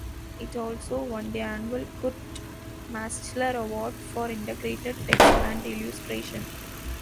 It also won the annual Kurt Maschler Award for integrated text and illustration.